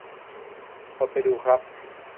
กดไปดูครับ